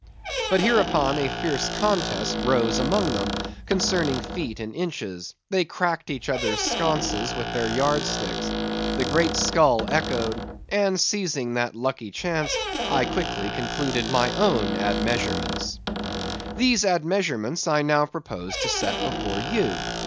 But hereupon a fierce contest rose among them, concerning feet and inches; they cracked each other's sconces with their yard sticks—the great skull echoed—and seizing that lucky chance, I quickly concluded my own admeasurements. These admeasurements I now propose to set before you.